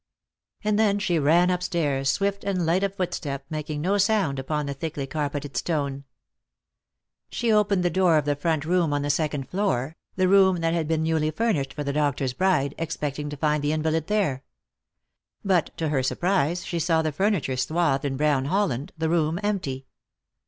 And then she ran np stairs, swift and light of footstep, making no sound upon the thickly carpeted stone. She opened the door of the front room on the second floor — 340 Lost for Love. the room that had been newly furnished for the doctor's bride — expecting to find the invalid there. But to her surprise she saw the furniture swathed in brown holland, the room empty.